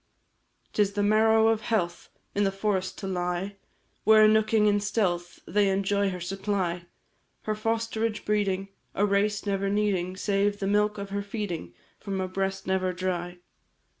'Tis the marrow of health In the forest to lie, Where, nooking in stealth, They enjoy her supply, Her fosterage breeding A race never needing, Save the milk of her feeding, From a breast never dry.